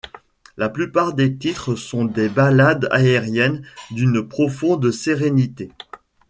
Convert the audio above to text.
La plupart des titres sont des ballades aériennes d'une profonde sérénité.